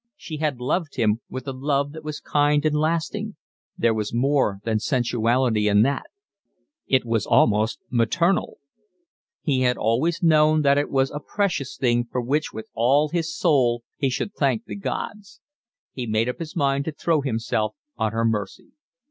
She had loved him with a love that was kind and lasting, there was more than sensuality in it, it was almost maternal; he had always known that it was a precious thing for which with all his soul he should thank the gods. He made up his mind to throw himself on her mercy.